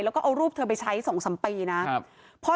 แล้วก็เอารูปเธอไปใช้๒๓ปีนะครับ